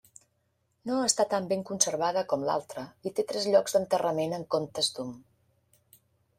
No està tan ben conservada com l'altra i té tres llocs d'enterrament en comptes d'un.